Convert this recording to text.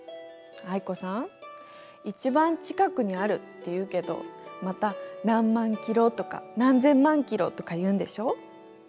藍子さん「一番近くにある」って言うけどまた何万キロとか何千万キロとか言うんでしょう！？